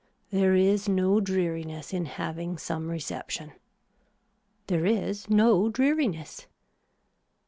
There is no dreariness in having some reception. There is no dreariness.